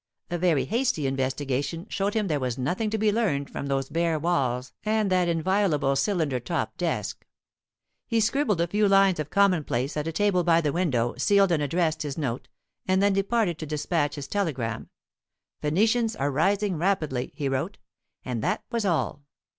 A very hasty investigation showed him there was nothing to be learned from those bare walls and that inviolable cylinder topped desk. He scribbled a few lines of commonplace at a table by the window, sealed and addressed his note, and then departed to despatch his telegram, "Phoenicians are rising rapidly," he wrote, and that was all.